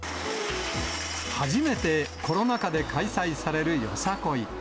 初めてコロナ禍で開催されるよさこい。